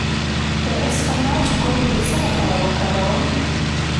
د اسفناج ګل د څه لپاره وکاروم؟